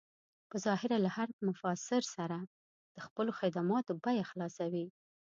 په ظاهره له هر مسافر سره د خپلو خدماتو بيه خلاصوي.